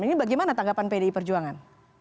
ini bagaimana tanggapan pdi perjuangan